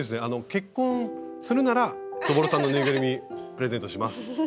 「結婚するならそぼろさんのぬいぐるみプレゼントします」。